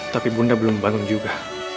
tapi bunda belum bangun juga